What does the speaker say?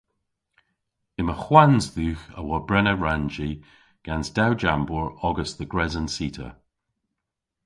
Yma hwans dhywgh a wobrena rannji gans dew jambour ogas dhe gres an cita.